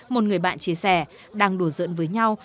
một người bạn chia sẻ đang đùa giỡn với nhau